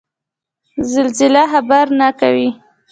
زلزله خبر نه کوي